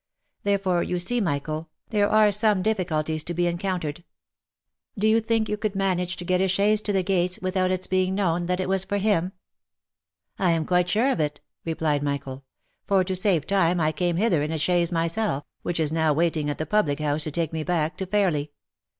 Therefore you see, Michael, there are some difficulties to be en 348 THE LIFE AND ADVENTURES countered. Do you think you could manage to get a chaise to the gates without its being known that it was for him V " I am quite sure of it," replied Michael ; u for to save time I came hither in a chaise myself, which is now waiting at the public house to take me back to Fairly.